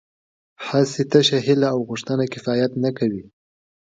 هسې تشه هیله او غوښتنه کفایت نه کوي